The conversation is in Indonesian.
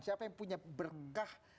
siapa yang punya berkah